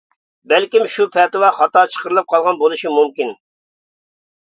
بەلكىم شۇ پەتىۋا خاتا چىقىرىلىپ قالغان بولۇشى مۇمكىن.